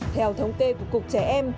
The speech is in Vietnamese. theo thống kê của cục trẻ em